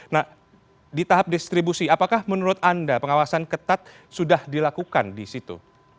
nah di tahap distribusi apakah menurut anda pengawasan ketat sudah dilakukan di situ